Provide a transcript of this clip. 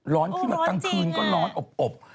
ร้อนขึ้นมากลางคืนก็ร้อนอบ